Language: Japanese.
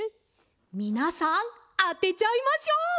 みなさんあてちゃいましょう！